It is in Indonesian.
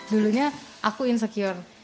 dulunya aku insecure